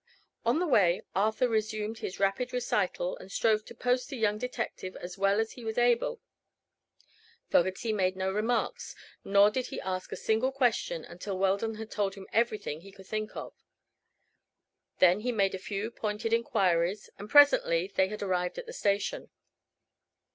On the way Arthur resumed his rapid recital and strove to post the young detective as well as he was able. Fogerty made no remarks, nor did he ask a single question until Weldon had told him everything he could think of. Then he made a few pointed enquiries and presently they had arrived at the station.